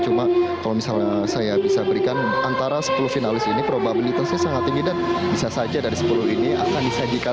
cuma kalau misalnya saya bisa berikan antara sepuluh finalis ini probabilitasnya sangat tinggi dan bisa saja dari sepuluh ini akan disajikan